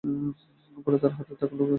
ফলে তার হাতে অনেক লোক ইসলাম গ্রহণ করল।